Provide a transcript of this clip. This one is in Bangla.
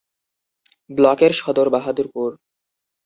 ব্লকের সদর বাহাদুরপুর।